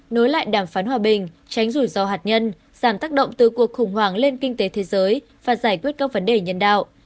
nối lại đàm phán hòa bình tránh rủi ro hạt nhân giảm tác động từ cuộc khủng hoảng lên kinh tế thế giới và giải quyết các vấn đề nhân đạo